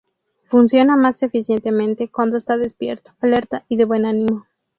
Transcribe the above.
Funciona más eficientemente cuando está despierto, alerta y de buen ánimo.